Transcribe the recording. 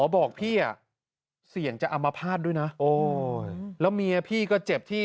บอกพี่อ่ะเสี่ยงจะอมภาษณ์ด้วยนะโอ้ยแล้วเมียพี่ก็เจ็บที่